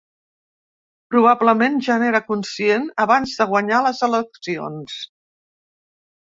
Probablement, ja n’era conscient abans de guanyar les eleccions.